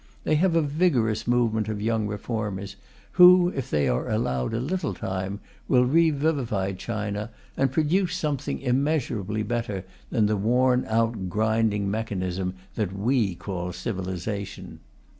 They have a vigorous movement of young reformers, who, if they are allowed a little time, will revivify China and produce something immeasurably better than the worn out grinding mechanism that we call civilization.